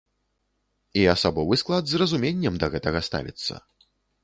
І асабовы склад з разуменнем да гэтага ставіцца.